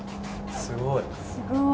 すごい。